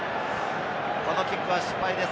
このキックは失敗です。